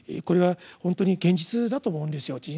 これはほんとに現実だと思うんですよ